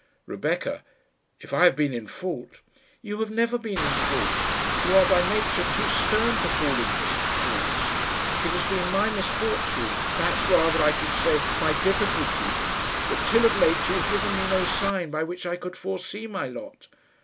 "Rebecca, if I have been in fault " "You have never been in fault. You are by nature too stern to fall into such faults. It has been my misfortune perhaps rather I should say my difficulty that till of late you have given me no sign by which I could foresee my lot.